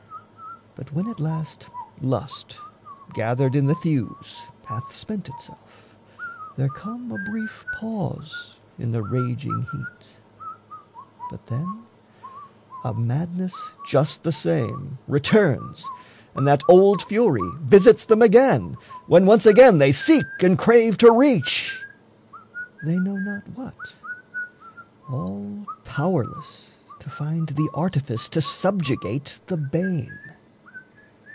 But when at last Lust, gathered in the thews, hath spent itself, There come a brief pause in the raging heat But then a madness just the same returns And that old fury visits them again, When once again they seek and crave to reach They know not what, all powerless to find The artifice to subjugate the bane.